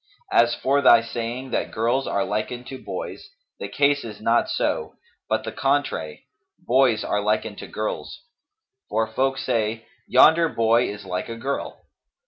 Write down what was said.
As for thy saying that girls are likened to boys, the case is not so, but the contrary: boys are likened to girls; for folk say, Yonder boy is like a girl.